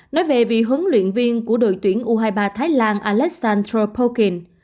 nói về vị huấn luyện viên của đội tuyển u hai mươi ba thái lan alexandro polkin